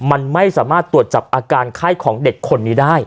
มันไม่สามารถตรวจจับอาการไข้ของเด็กคนนี้ได้